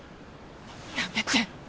やめて。